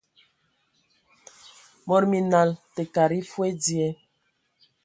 Mod minal, tə kad e foe dzie.